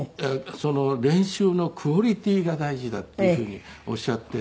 「練習のクオリティーが大事だ」っていうふうにおっしゃって。